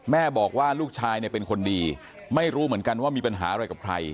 แม่บอกว่าลูกชายเนี่ยเป็นคนดีไม่รู้เหมือนกันว่ามีปัญหาอะไรกับใคร